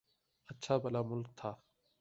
اچھا بھلا ملک تھا۔